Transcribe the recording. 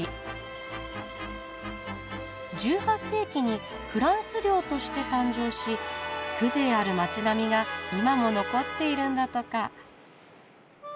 １８世紀にフランス領として誕生し風情ある町並みが今も残っているんだとか。